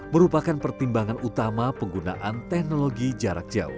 merupakan pertimbangan utama penggunaan teknologi jarak jauh